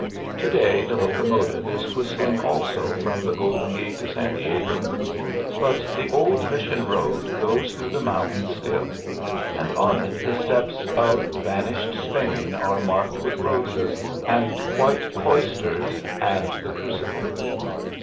To day the locomotive is whistling also from the Golden Gate to San Diego; but the old mission road goes through the mountains still, and on it the steps of vanished Spain are marked with roses, and white cloisters, and the crucifix.